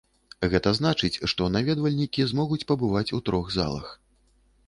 Гэта значыць, што наведвальнікі змогуць пабываць у трох залах.